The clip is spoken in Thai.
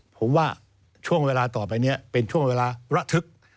ผมว่าช่วงเวลาต่อไปนี้เป็นช่วงเวลาระทึก